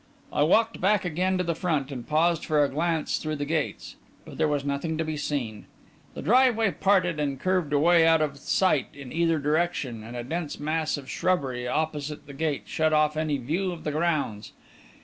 I walked back again to the front, and paused for a glance through the gates. But there was nothing to be seen. The driveway parted and curved away out of sight in either direction, and a dense mass of shrubbery opposite the gate shut off any view of the grounds.